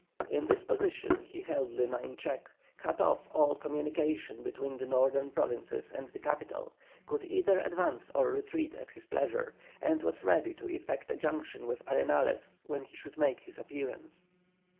In this position he held Lima in check, cut off all communication between the northern provinces and the capital, could either advance or retreat at his pleasure, and was ready to effect a junction with Arenales when he should make his appearance.